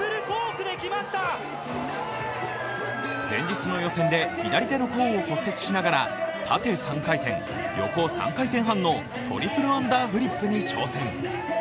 前日の予選で左手の甲を骨折しながら縦３回転、横３回転半のトリプルアンダーフリップに挑戦。